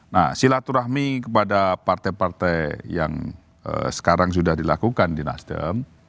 nah silaturahmi kepada partai partai yang sekarang sudah dilakukan di nasdem